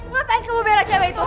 ngapain kamu bela cewek itu